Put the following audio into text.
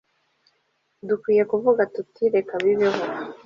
dukwiye kuvuga tuti reka bibeho